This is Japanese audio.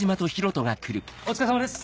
お疲れさまです。